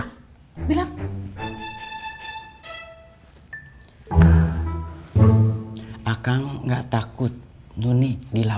kalau emang nggak takut ma